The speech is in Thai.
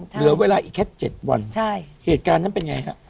เหลือเวลาอีกแค่๗วันเหตุการณ์นั้นเป็นไงฮะ